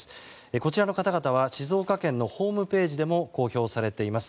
こちらの方々は静岡県のホームページでも公表されています。